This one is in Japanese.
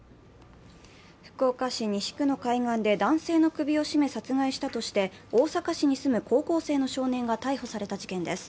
福岡市西区の海岸で男性の首を絞め、殺害したとして大阪市に住む高校生の少年が逮捕された事件です。